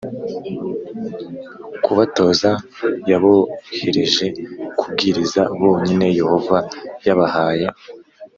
kubatoza yabohereje kubwiriza bonyine Yehova yabahaye